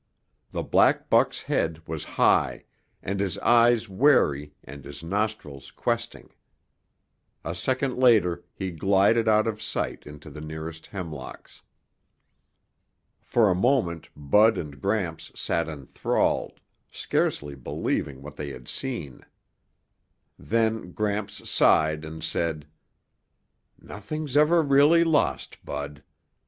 The black buck's head was high, and his eyes wary and his nostrils questing. A second later he glided out of sight into the nearest hemlocks. For a moment Bud and Gramps sat enthralled, scarcely believing what they had seen. Then Gramps sighed and said, "Nothing's ever really lost, Bud.